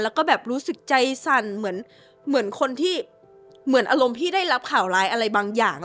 แล้วก็แบบรู้สึกใจสั่นเหมือนคนที่เหมือนอารมณ์ที่ได้รับข่าวร้ายอะไรบางอย่าง